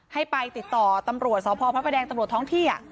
ให้ไปติดต่อตำรวจสพพดตำรวจท้องเที่ย